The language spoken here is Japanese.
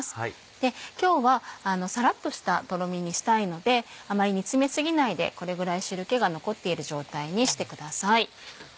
で今日はさらっとしたとろみにしたいのであまり煮詰め過ぎないでこれぐらい汁気が残っている状態にしてください。